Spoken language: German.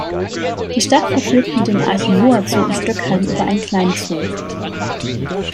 Die Stadt verfügt mit dem Arche Noah Zoo in Stöckheim über einen kleinen Zoo.